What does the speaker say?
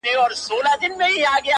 اوس مي د سپين قلم زهره چاودلې؛